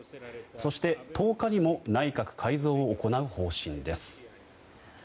そして１０日にも内閣改造を行う方針です。